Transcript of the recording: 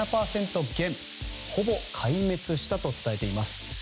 ほぼ壊滅したと伝えています。